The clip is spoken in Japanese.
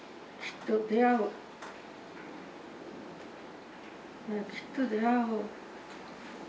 「きっと出会う」。